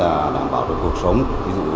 và đảm bảo được cuộc sống của anh em trên đảo